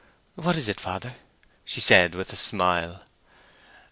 "What is it, father?" said she, with a smile.